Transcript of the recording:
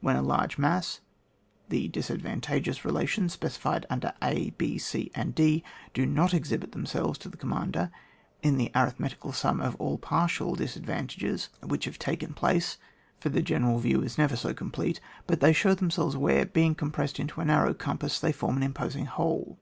With a large mass, the disadvan tageous relations specified under abc and df do not exhibit themselves to the conmiander, in the arithmeticcd sum of aU partial disadvantages which have taken 128 ON WAR. place, for the general view is neyer so complete, but they show themselves where, being compressed into a narrow compass, they form an imposing whole.